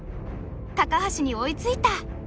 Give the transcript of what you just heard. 高橋に追いついた！